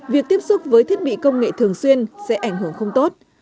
việc tiếp xúc với thiết bị công nghệ thường xuyên sẽ ảnh hưởng không tốt